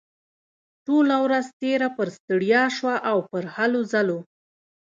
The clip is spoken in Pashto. ټوله ورځ تېره پر ستړيا شوه او پر هلو ځلو.